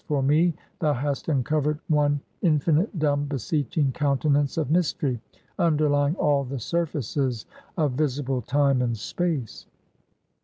For me, thou hast uncovered one infinite, dumb, beseeching countenance of mystery, underlying all the surfaces of visible time and space.